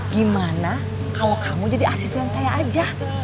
gimana kalau kamu jadi asisten saya aja